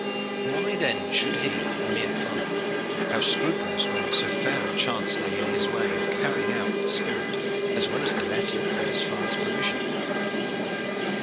Why then should he, a mere clerk, have scruples when so fair a chance lay in his way of carrying out the spirit as well as the letter of his father's provision.